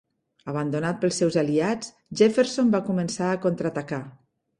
Abandonat pels seus aliats, Jefferson va començar a contraatacar.